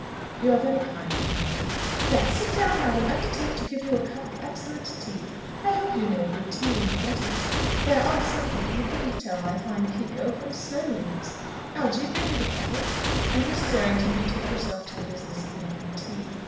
"You are very kind," he murmured. "There, sit down, and I will undertake to give you a cup of excellent tea. I hope you know good tea when you get it? There are some people who couldn't tell my fine Pekoe from sloe leaves. Algy, bring me the kettle." And Mrs. Errington betook herself to the business of making tea.